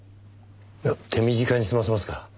いや手短に済ませますから。